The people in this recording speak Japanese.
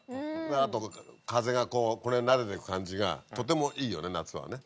あと風がこうこの辺なでてく感じがとてもいいよね夏はね。